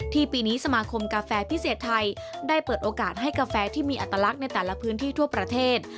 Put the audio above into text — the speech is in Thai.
ปีนี้สมาคมกาแฟพิเศษไทยได้เปิดโอกาสให้กาแฟที่มีอัตลักษณ์ในแต่ละพื้นที่ทั่วประเทศ